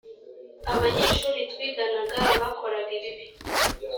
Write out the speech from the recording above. abanyeshuri twiganaga bakoraga ibibi